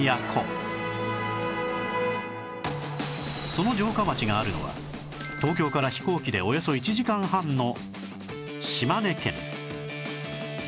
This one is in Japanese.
その城下町があるのは東京から飛行機でおよそ１時間半の島根県